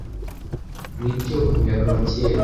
nicyo Umuyaga wa kera